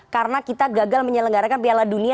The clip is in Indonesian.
karena kita gagal menyelenggarakan piala dunia